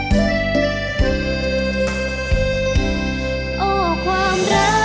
เป็นทุกสมองในธุรกิจ